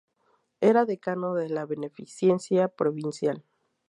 Era decano de la Beneficencia Provincial.